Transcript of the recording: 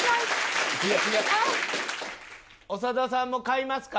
「長田さんも買いますか？